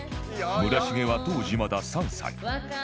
村重は当時まだ３歳